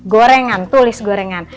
gorengan tulis gorengan